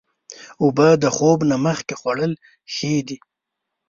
اوبه د خوب نه مخکې خوړل ښې دي.